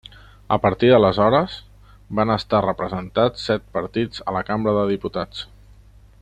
A partir d'aleshores, van estar representats set partits a la Cambra de Diputats.